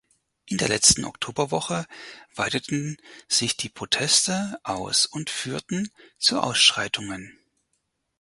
In der letzten Oktoberwoche weiteten sich die Proteste aus und führten zu Ausschreitungen.